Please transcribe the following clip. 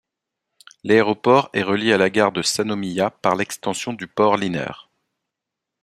L'aéroport est relié à la gare de Sannomiya par l'extension du Port Liner.